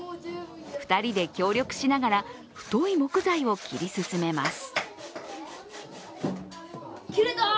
２人で協力しながら太い木材を切り進めます。